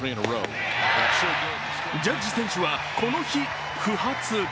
ジャッジ選手はこの日、不発。